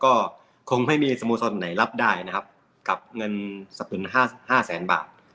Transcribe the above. ก็คงไม่มีสโมสรไหนรับได้นะครับกับเงินสับสนุน๕แสนบาท